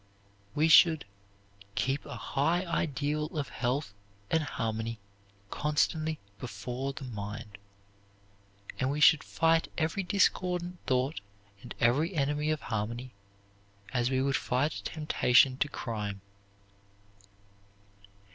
We should keep a high ideal of health and harmony constantly before the mind; and we should fight every discordant thought and every enemy of harmony as we would fight a temptation to crime.